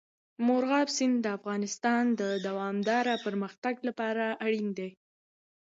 مورغاب سیند د افغانستان د دوامداره پرمختګ لپاره اړین دی.